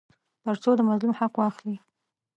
تر څو د مظلوم حق واخلي.